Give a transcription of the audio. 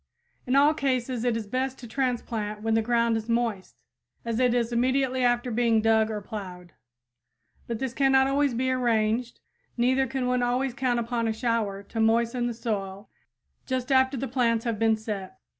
In all cases it is best to transplant when the ground is moist, as it is immediately after being dug or plowed. But this cannot always be arranged, neither can one always count upon a shower to moisten the soil just after the plants have been set.